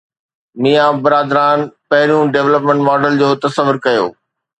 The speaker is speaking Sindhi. ميان برادران پهريون ڊولپمينٽ ماڊل جو تصور ڪيو.